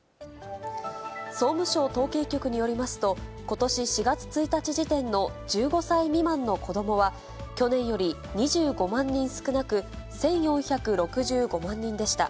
総務省統計局によりますと、ことし４月１日時点の１５歳未満の子どもは、去年より２５万人少なく、１４６５万人でした。